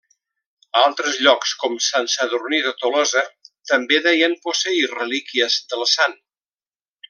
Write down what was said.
Altres llocs, com Sant Sadurní de Tolosa, també deien posseir relíquies del sant.